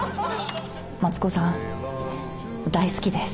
マツコさん大好きです。